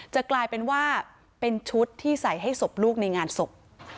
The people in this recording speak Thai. จะกลายเป็นว่าเป็นชุดที่ใส่ให้ศพลูกในงานศพ